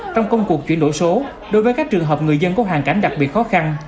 trong công cuộc chuyển đổi số đối với các trường hợp người dân có hoàn cảnh đặc biệt khó khăn